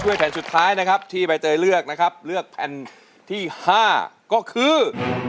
แผ่นสุดท้ายนะครับที่ใบเตยเลือกนะครับเลือกแผ่นที่๕ก็คือ